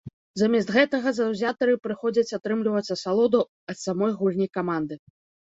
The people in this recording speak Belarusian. Замест гэтага заўзятары прыходзяць атрымліваць асалоду ад самой гульні каманды.